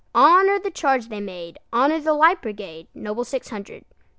Honor the charge they made! Honor the Light Brigade, Noble six hundred!